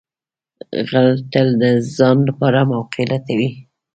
غل تل د ځان لپاره موقع لټوي